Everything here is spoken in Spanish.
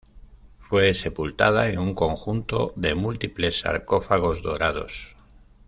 Fue sepultada en un conjunto de múltiples sarcófagos dorados.